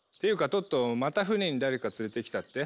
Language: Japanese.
トットまた船に誰か連れてきたって？